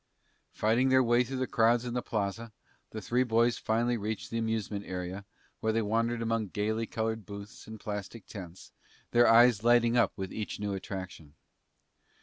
Fighting their way through the crowds in the plaza, the three boys finally reached the amusement area where they wandered among gaily colored booths and plastic tents, their eyes lighting up with each new attraction.